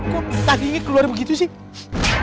kok tagi rabbi keluar begitu sih